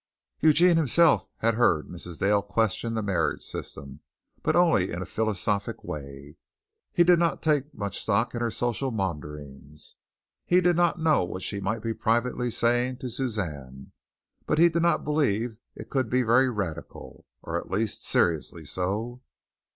Eugene himself had heard Mrs. Dale question the marriage system, but only in a philosophic way. He did not take much stock in her social maunderings. He did not know what she might be privately saying to Suzanne, but he did not believe it could be very radical, or at least seriously so.